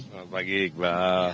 selamat pagi iqbal